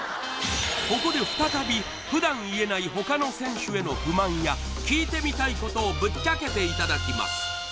ここで再び普段言えない他の選手への不満や聞いてみたいことをぶっちゃけていただきます